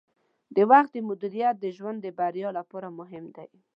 د وخت مدیریت د ژوند بریا لپاره مهم دی.